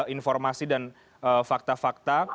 informasi dan fakta fakta